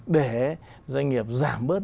để doanh nghiệp giảm bớt